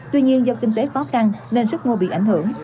tuy nhiên do kinh tế khó khăn nên sức mua bị ảnh hưởng